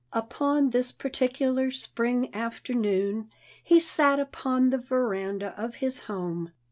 Upon this particular spring afternoon, he sat upon the veranda of his home.